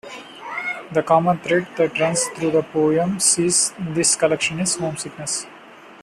The common thread that runs through the poems in this collection is homesickness.